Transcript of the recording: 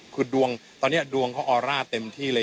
คือดวงตอนนี้ดวงเขาออร่าเต็มที่เลย